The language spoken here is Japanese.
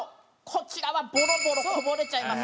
こちらはボロボロこぼれちゃいますね。